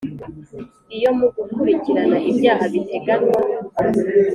Iyo mu gukurikirana ibyaha biteganywa